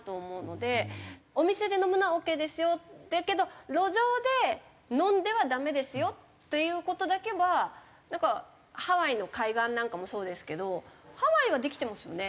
お店で飲むのはオーケーですよだけど路上で飲んではダメですよという事だけはなんかハワイの海岸なんかもそうですけどハワイはできてますよね。